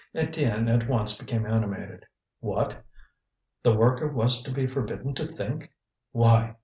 Étienne at once became animated. What! The worker was to be forbidden to think! Why!